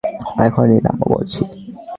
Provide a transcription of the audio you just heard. এক্ষুণি নামো বলছি!